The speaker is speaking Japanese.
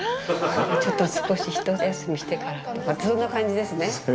ちょっと少し一休みしてからってそんな感じですね。